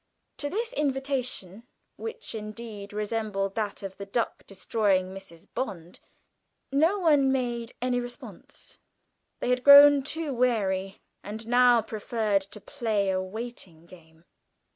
To this invitation, which indeed resembled that of the duck destroying Mrs. Bond, no one made any response. They had grown too wary, and now preferred to play a waiting game.